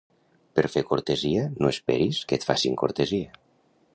Per fer cortesia, no esperis que et facin cortesia.